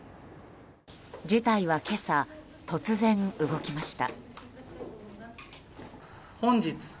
事態は今朝、突然動きました。